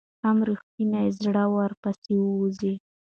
هم ريښتونى هم زړه ور ورپسي ووزه